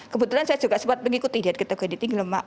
kebetulan saya juga sempat mengikuti diet ketuk ginding tinggi lemak